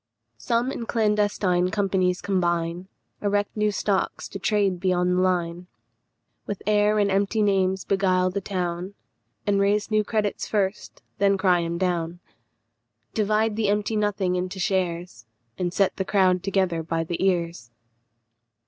Some in clandestine companies combine; Erect new stocks to trade beyond the line; With air and empty names beguile the town, And raise new credits first, then cry 'em down; Divide the empty nothing into shares, And set the crowd together by the ears.